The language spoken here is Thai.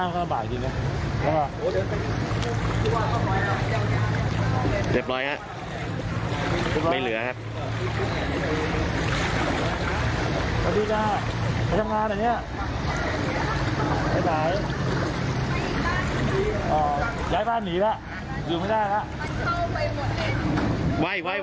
ย้ายบ้านหนีแล้วย้ายบ้านหนีแล้วยืมไม่ได้แล้ว